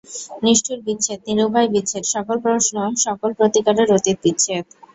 নিষ্ঠুর বিচ্ছেদ, নিরুপায় বিচ্ছেদ, সকল প্রশ্ন সকল প্রতিকারের অতীত বিচ্ছেদ।